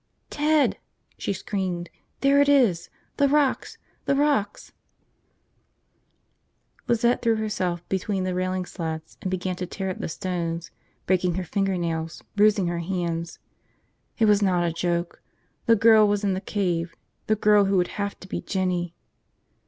... "Ted!" she screamed, "there it is! The rocks ... the rocks ..." Lizette threw herself between the railing slats and began to tear at the stones, breaking her fingernails, bruising her hands. It was not a joke. The girl was in the cave, the girl who would have to be Jinny.